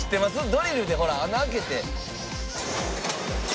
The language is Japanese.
「ドリルで穴開けて」